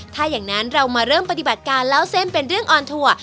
ถ้าอย่างนั้นเรามาเริ่มปฏิบัติการเล่าเส้นเป็นเรื่องออนทัวร์